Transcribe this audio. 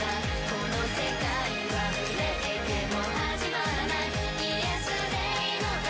この世界は群れていても始まらないＹｅｓでいいのか？